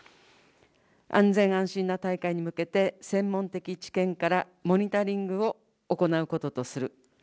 安全・安心な大会に向けて、専門的知見からモニタリングを行うこととする。